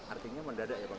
artinya mendadak ya pak